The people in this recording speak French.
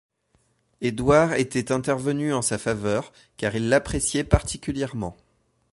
Édouard était intervenu en sa faveur, car il l’appréciait particulièrement.